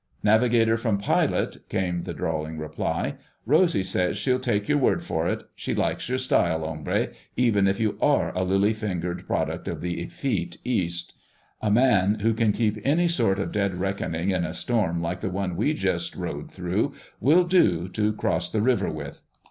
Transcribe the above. "Navigator from pilot," came the drawling reply. "Rosy says she'll take your word for it. She likes your style, hombre, even if you are a lily fingered product of the effete East. A man who can keep any sort of dead reckoning in a storm like the one we just rode through will do to cross the river with."